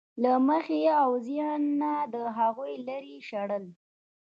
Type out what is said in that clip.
له مخې او ذهنه د هغوی لرې شړل.